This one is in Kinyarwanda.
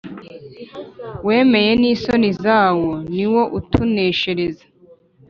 Wemeye n'isoni zawo: Ni wo utuneshereza.